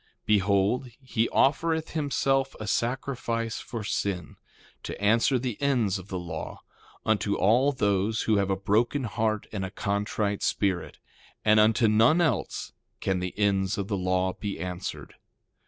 2:7 Behold, he offereth himself a sacrifice for sin, to answer the ends of the law, unto all those who have a broken heart and a contrite spirit; and unto none else can the ends of the law be answered.